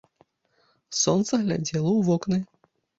Сонца глядзела ў вокны.